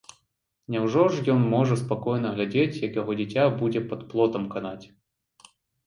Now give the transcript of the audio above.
Няўжо ж ён можа спакойна глядзець, як яго дзіця будзе пад плотам канаць!